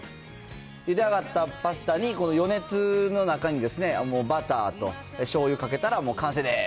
ゆで上がったパスタに、この余熱の中にもうバターとしょうゆかけたら、もう完成です。